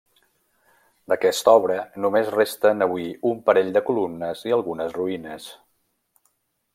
D'aquesta obra, només resten avui un parell de columnes i algunes ruïnes.